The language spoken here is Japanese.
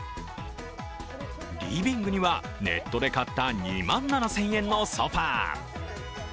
リビングにはネットで買った２万７０００円のソファー。